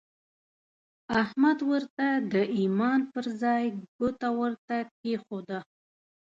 احمد ورته د ايمان پر ځای ګوته ورته کېښوده.